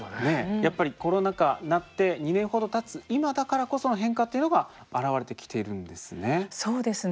やっぱりコロナ禍になって２年ほどたつ今だからこその変化っていうのが現れてきてるんですね。